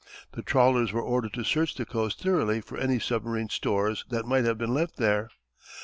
The trawlers were ordered to search the coast thoroughly for any submarine stores that might have been left there.